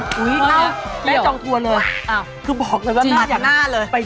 เป็นพวกเก๋และ